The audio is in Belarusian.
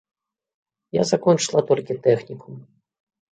Я закончыла толькі тэхнікум.